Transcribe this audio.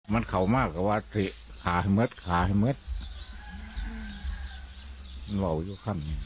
มันเขามากกว่าที่ขาเหมือนขาเหมือนเหมือนเหล่าอยู่ข้างนี้